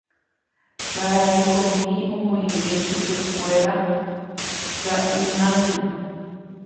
Karai komi omoinge chupekuéra ka'irãime.